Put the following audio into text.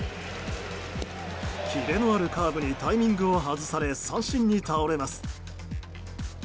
キレのあるカーブにタイミングを外され三振に倒れます。